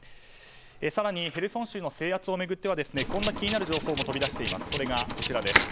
更にヘルソン州の制圧を巡ってはこんな気になる情報も飛び出しています。